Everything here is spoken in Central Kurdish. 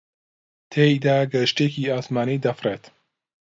تێیدا کەشتییەکی ئاسمانی دەفڕێت